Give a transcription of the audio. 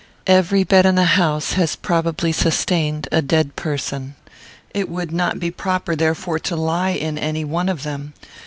"Every bed in the house has probably sustained a dead person. It would not be proper, therefore, to lie in any one of them.